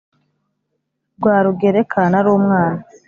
Rwarugereka nari umwana